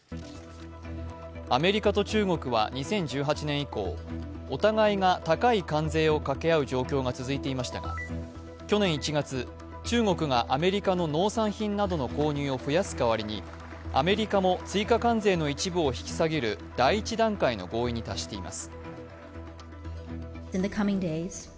アメリカと中国は２０１８年以降、去年１月、中国がアメリカの農産品などの購入を増やす代わりに、アメリカも追加関税の一部を引き下げる第１段階の合意に達しています。